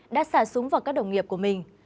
đã xả súng vào các đồng nghiệp của mình